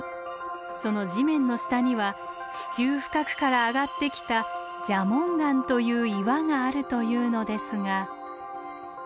その地面の下には地中深くから上がってきた蛇紋岩という岩があるというのですが。